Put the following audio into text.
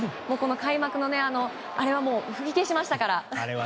開幕のあれはもう消しましたから。